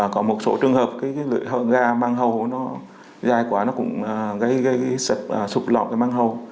có một số trường hợp cái lưỡi gà mang hầu nó dài quá nó cũng gây sụp lọc cái mang hầu